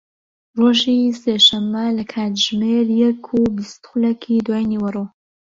ڕۆژی سێشەممە لە کاتژمێر یەک و بیست خولەکی دوای نیوەڕۆ